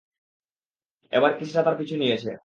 এবার কিসরা তার পিছু নিয়েছে।